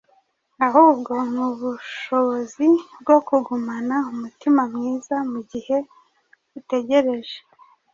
ahubwo ni ubushobozi bwo kugumana umutima mwiza mu gihe utegereje.